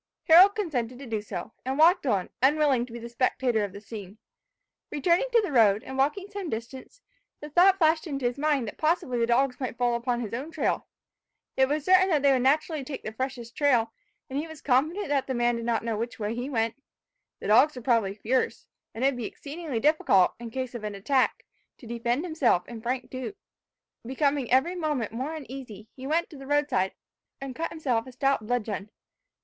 Harold consented to do so, and walked on, unwilling to be the spectator of the scene. Returning to the road, and walking some distance, the thought flashed into his mind that possibly the dogs might fall upon his own trail. It was certain that they would naturally take the freshest trail, and he was confident that the man did not know which way he went. The dogs were probably fierce, and it would be exceedingly difficult, in case of an attack, to defend himself and Frank too. Becoming every moment more uneasy, he went to the roadside and cut himself a stout bludgeon.